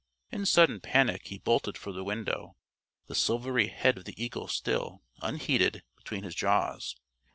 In sudden panic he bolted for the window, the silvery head of the eagle still, unheeded, between his jaws.